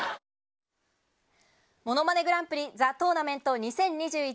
ものまねグランプリ・ザ・トーナメント２０２１。